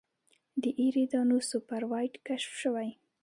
د ایریدانوس سوپر وایډ کشف شوی.